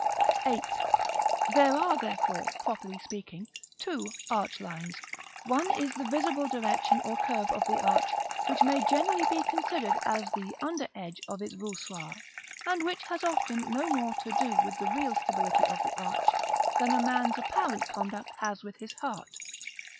§ VIII. There are, therefore, properly speaking, two arch lines. One is the visible direction or curve of the arch, which may generally be considered as the under edge of its voussoirs, and which has often no more to do with the real stability of the arch, than a man's apparent conduct has with his heart.